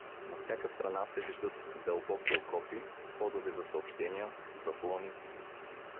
На всяка страна се виждат дълбоки окопи, ходове за съобщения, заслони.